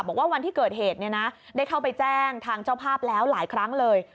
บอกว่าวันที่เกิดเหตุได้เข้าไปแจ้งทางเจ้าภาพแล้วหลายครั้งเลย